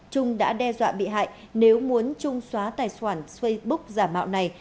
trung đã đe dọa bị hại nếu muốn trung xóa tài khoản facebook giả mạo này